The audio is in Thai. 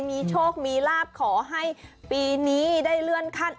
มีโชคมีลาบขอให้ปีนี้ได้เลื่อนขั้น